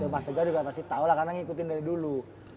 mas tega juga pasti tahu lah karena ngikutin dari dulu